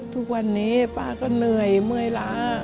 ทุกวันนี้ป้าก็เหนื่อยเมื่อยล้า